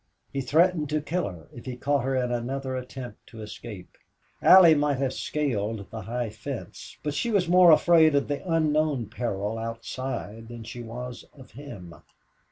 He threatened to kill her if he caught her in another attempt to escape. Allie might have scaled the high fence, but she was more afraid of the unknown peril outside than she was of him.